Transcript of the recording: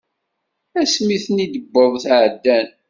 Ass mi ten-id-wweḍ ɛeddan.